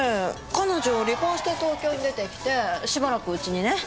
彼女離婚して東京に出てきてしばらくうちにね。